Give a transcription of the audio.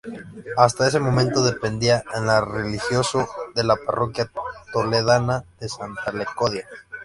Hasta ese momento dependía en lo religioso de la parroquia toledana de Santa Leocadia.